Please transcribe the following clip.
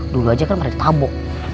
dulu aja kan mereka tamu